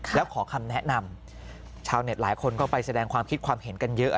แล้วขอคำแนะนำชาวเน็ตหลายคนก็ไปแสดงความคิดความเห็นกันเยอะ